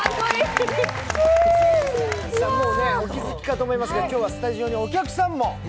もうお気づきかと思いますが、今日はスタジオにお客さんが。